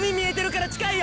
近いよ。